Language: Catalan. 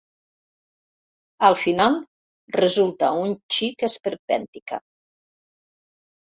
Al final, resulta un xic esperpèntica.